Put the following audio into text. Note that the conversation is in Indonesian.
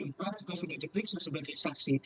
juga sudah diklik sebagai saksi